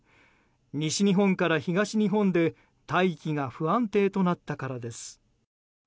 西日本から東日本で大気が不安定となったからです。